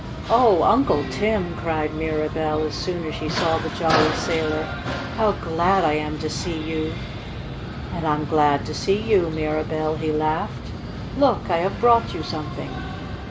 "Oh, Uncle Tim!" cried Mirabell, as soon as she saw the jolly sailor, "how glad I am to see you!" "And I'm glad to see you, Mirabell," he laughed. "Look, I have brought you something!"